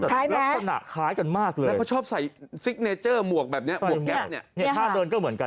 คล้ายไหมครับคล้ายกันมากเลยแล้วก็ชอบใส่ซิกเนเจอร์หมวกแบบนี้หมวกแก๊บนี้